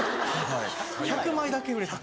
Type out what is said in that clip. １００枚だけ売れた。